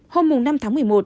hôm năm tháng một mươi một